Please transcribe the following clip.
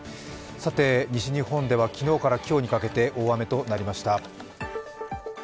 西日本では昨日から今日にかけて大雨となりました。